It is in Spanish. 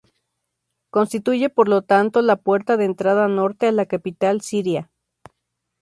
Constituye por lo tanto la puerta de entrada norte a la capital siria.